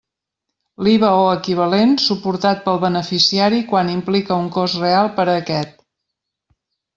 L'IVA o equivalent, suportat pel beneficiari quan implique un cost real per a aquest.